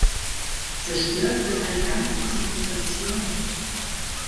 Zerstört wird eine ganze Zivilisation.